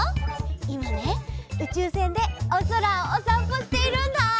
いまねうちゅうせんでおそらをおさんぽしているんだ。